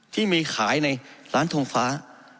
ที่มีขายในร้านทงฟ้า